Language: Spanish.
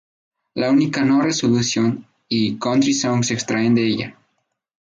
La única No Resolution y Country Song se extraen de ella.